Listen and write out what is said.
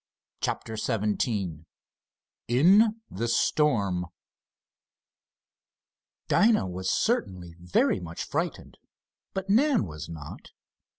CHAPTER XVII IN THE STORM Dinah was certainly very much frightened, but Nan was not.